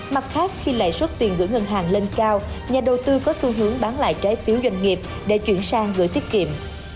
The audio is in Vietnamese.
mặt khác khi lãi suất tiền gửi ngân hàng lên cao nhà đầu tư có xu hướng bán lại trái phiếu doanh nghiệp để chuyển sang gửi tiết kiệm